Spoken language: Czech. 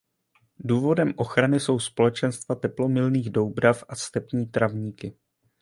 Důvodem ochrany jsou společenstva teplomilných doubrav a stepní trávníky.